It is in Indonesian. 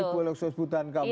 ibu elok sesbutan kamu